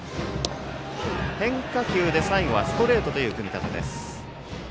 変化球で最後はストレートという組み立てです。